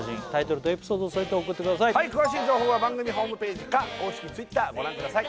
はい詳しい情報は番組ホームページか公式Ｔｗｉｔｔｅｒご覧ください